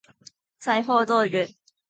裁縫道具